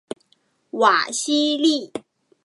瓦西利。